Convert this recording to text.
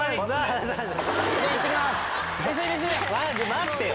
待ってよ！